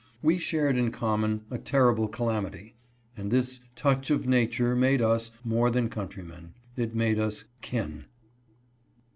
We shared in common a 452 INJUSTICE TO WINTHROP. terrible calamity, and this "touch of nature made us" more than countrymen, it made us "kin."